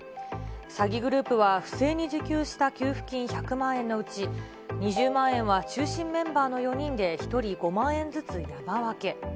詐欺グループは不正に受給した給付金１００万円のうち、２０万円は中心メンバーの４人で１人５万円ずつ山分け。